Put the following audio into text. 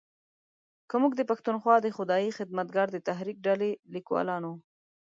که موږ د پښتونخوا د خدایي خدمتګار د تحریک ډلې لیکوالانو